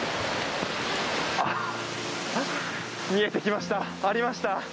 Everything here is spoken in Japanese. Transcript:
見えてきましたありました。